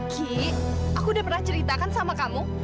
cik aku udah pernah ceritakan sama kamu